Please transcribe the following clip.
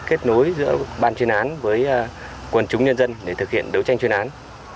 kết nối giữa ban chuyên án với quần chúng nhân dân để thực hiện đấu tranh chuyên án